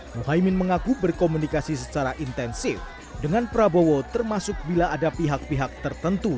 muhaymin mengaku berkomunikasi secara intensif dengan prabowo termasuk bila ada pihak pihak tertentu